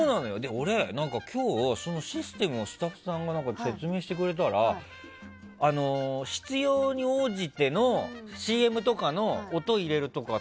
俺、今日システムをスタッフさんが説明してくれたら必要に応じてのＣＭとかの音を入れるとか。